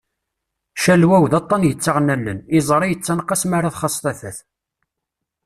Calwaw d aṭan yettaɣen allen, iẓri yettanqas m'ara txaṣ tafat.